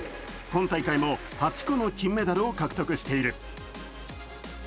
今大会も８個の金メダルを獲得している。